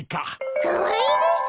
カワイイです。